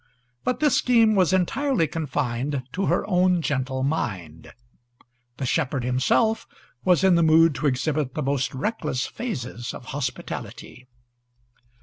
But this scheme was entirely confined to her own gentle mind; the shepherd himself was in the mood to exhibit the most reckless phases of hospitality.